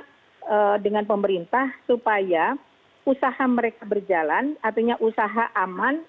karena dengan pemerintah supaya usaha mereka berjalan artinya usaha aman